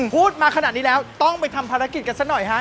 พูดมาขนาดนี้แล้วต้องไปทำภารกิจกันซะหน่อยฮะ